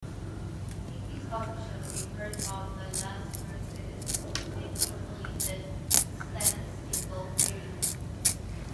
It is officially part of the Las Cruces Metropolitan Statistical Area.